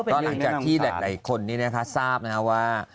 ก็หลังจากที่หลายคนนี้นะคะทราบนะว่า